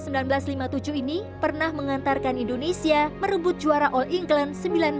seribu sembilan ratus lima puluh tujuh ini pernah mengantarkan indonesia merebut juara all england seribu sembilan ratus sembilan puluh